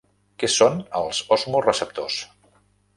Què són els osmoreceptors?